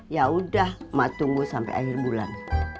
yaudah mak tunggu sampai akhir bulan